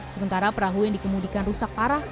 sementara perahu yang dikemudikan rusak parah